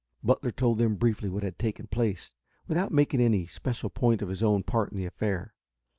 Butler told them briefly what had taken place, without making any special point of his own part in the affair.